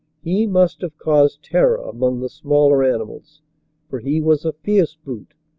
He must have caused terror among the smaller animals, for he was a fierce brute.